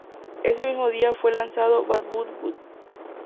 Ese mismo día fue lanzado "Bad But Good".